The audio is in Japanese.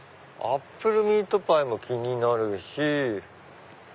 アップルミートパイも気になるし。